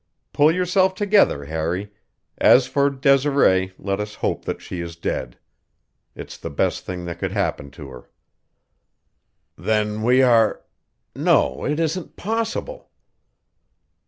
Pull yourself together, Harry; as for Desiree, let us hope that she is dead. It's the best thing that could happen to her." "Then we are no, it isn't possible."